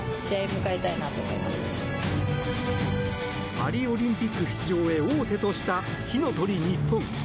パリオリンピック出場へ王手とした火の鳥ＮＩＰＰＯＮ。